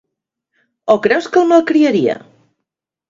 O creus que el malcriaria?